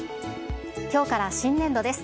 きょうから新年度です。